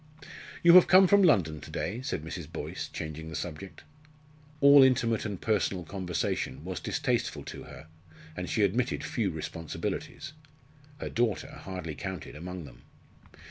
"You have come from London to day?" said Mrs. Boyce, changing the subject. All intimate and personal conversation was distasteful to her, and she admitted few responsibilities. Her daughter hardly counted among them.